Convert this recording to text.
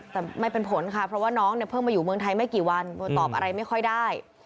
แต่ไม่เป็นผลค่ะเพราะว่าน้องเนี่ยเพิ่งมาอยู่เมืองไทยไม่กี่วันตอบอะไรไม่ค่อยได้